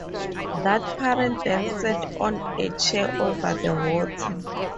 That parent then sat on a chair over the water.